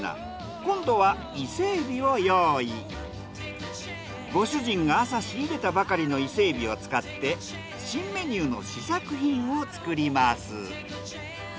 今度はご主人が朝仕入れたばかりの伊勢海老を使って新メニューの試作品を作ります。